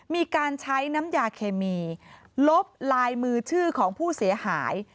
มีการใช้น้ำยาเคมีลบลายมือชื่อของผู้เสียหาย